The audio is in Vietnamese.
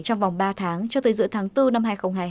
trong vòng ba tháng cho tới giữa tháng bốn năm hai nghìn hai mươi hai